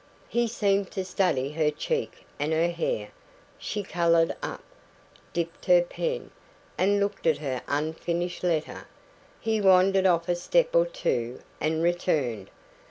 He seemed to study her cheek and her hair. She coloured up, dipped her pen, and looked at her unfinished letter. He wandered off a step or two, and returned.